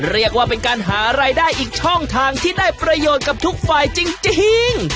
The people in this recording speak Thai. เรียกว่าเป็นการหารายได้อีกช่องทางที่ได้ประโยชน์กับทุกฝ่ายจริง